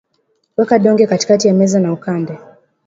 Weka donge katikati ya meza na ukande